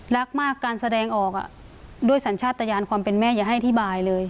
รักมากการแสดงออกด้วยสัญชาติตะยานความเป็นแม่อย่าให้อธิบายเลย